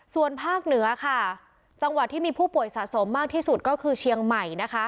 ส่วนภาคเหนือค่ะจังหวัดที่มีผู้ป่วยสะสมมากที่สุดก็คือเชียงใหม่นะคะ